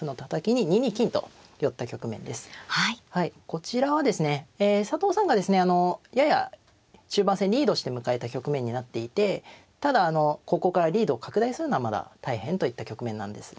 こちらはですね佐藤さんがですねあのやや中盤戦リードして迎えた局面になっていてただここからリードを拡大するのはまだ大変といった局面なんです。